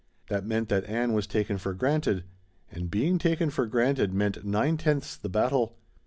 That meant that Ann was taken for granted. And being taken for granted meant nine tenths the battle.